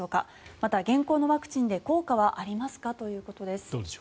また、現行のワクチンで効果はありますか？ということです。